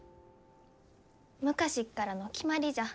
昔っからの決まりじゃ。